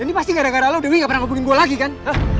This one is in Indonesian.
ini pasti gara gara lo dewi gak pernah ngehubungin gue lagi kan